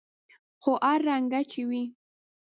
خو هر رنګه چې وي.